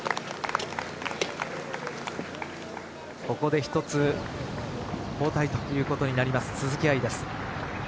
ここで１つ後退ということになります鈴木愛です。